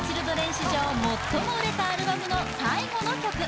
史上最も売れたアルバムの最後の曲